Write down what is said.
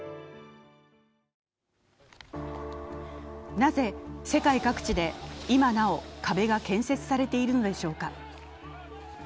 なぜ世界各地で今なお壁が建設されているのでしょうか。